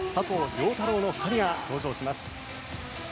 陽太郎の２人が登場します。